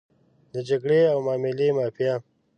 د جګړې او معاملې مافیا.